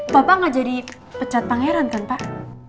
bapak nggak jadi pecat pangeran kan pak